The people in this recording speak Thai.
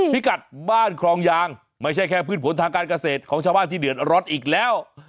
พิกัดบ้านคลองยางไม่ใช่แค่พืชผลทางการเกษตรของชาวบ้านที่เดือดร้อนอีกแล้ว